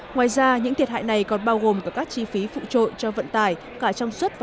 ngoài ra những thiệt hại này còn bao gồm cả các chi phí phụ trội cho vận tải cả trong xuất và